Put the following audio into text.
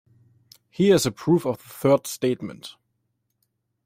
Here is a proof of the third statement.